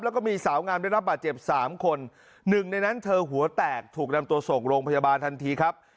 แล้วก็มีสาวงามได้รับบาดเจ็บสามคนหนึ่งในนั้นเธอหัวแตกถูกนำตัวส่งโรงพยาบาลทันทีครับ